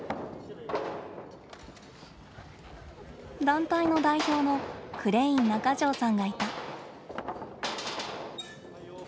団体の代表のクレイン中條さんがいた。